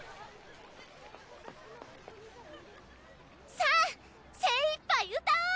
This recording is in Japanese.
さあ精いっぱい歌おう！